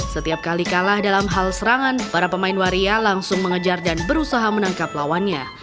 setiap kali kalah dalam hal serangan para pemain waria langsung mengejar dan berusaha menangkap lawannya